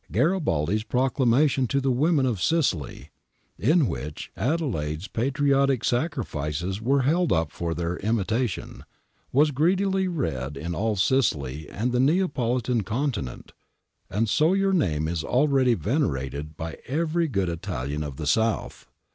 Garibaldi's proclamation to the women of Sicily/ [in which Adelaide's patriotic sacrifices were held up for their imitation,] ' was greedily read in all Sicily and the Neapolitan continent, and so your name is already vener ated by every good Italian of the South.